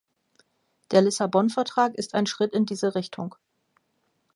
Der Lissabon-Vertrag ist ein Schritt in diese Richtung.